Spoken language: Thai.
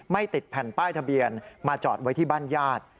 ติดแผ่นป้ายทะเบียนมาจอดไว้ที่บ้านญาติ